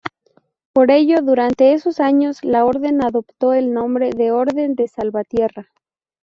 Por ello, durante esos años, la Orden adoptó el nombre de Orden de Salvatierra.